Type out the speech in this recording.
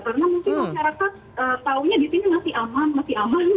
karena mungkin masyarakat taunya di sini masih aman masih aman gitu